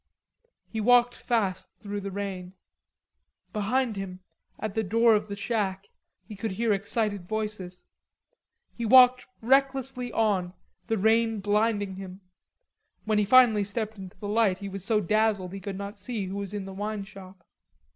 He walked fast through the rain. Behind him, at the door of the shack, he could hear excited voices. He walked recklessly on, the rain blinding him. When he finally stepped into the light he was so dazzled he could not see who was in the wine shop.